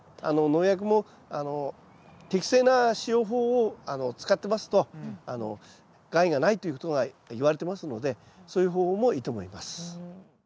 農薬も適正な使用法を使ってますと害がないということがいわれてますのでそういう方法もいいと思います。